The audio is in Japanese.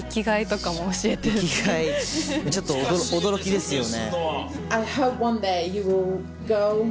「生きがい」ちょっと驚きですよね。